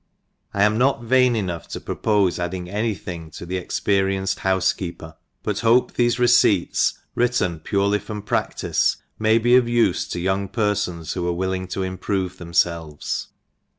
I am not vain enough to propofe adding any thing to the Experienced A 2 Houfe DEDICATION. Houfekeeper, but hope thefe receipts (written purely from pradice) may be of ufe to young perfons who are willing to improve themfelres.